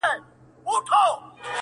د قدرت پر دښمنانو کړي مور بوره٫